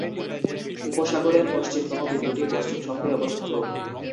উপসাগরের পশ্চিমতম বিন্দুটি বোস্টন শহরে অবস্থিত।